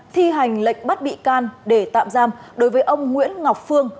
thi hành lệnh bắt bị can để tạm giam đối với ông nguyễn ngọc phương